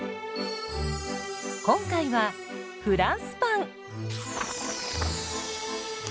今回はフランスパン。